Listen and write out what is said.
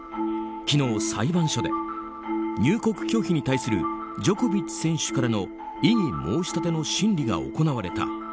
昨日、裁判所で入国拒否に対するジョコビッチ選手からの異議申し立ての審理が行われた。